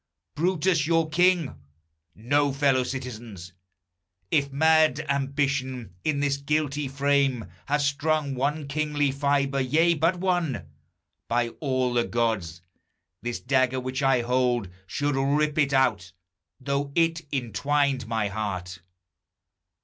Brutus your king! No, fellow citizens! If mad ambition in this guilty frame Had strung one kingly fibre, yea, but one, By all the gods, this dagger which I hold Should rip it out, though it intwined my heart.